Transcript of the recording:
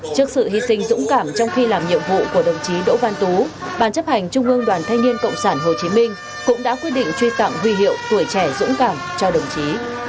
trước sự hy sinh dũng cảm trong khi làm nhiệm vụ của đồng chí đỗ văn tú bàn chấp hành trung ương đoàn thanh niên cộng sản hồ chí minh cũng đã quyết định truy tặng huy hiệu tuổi trẻ dũng cảm cho đồng chí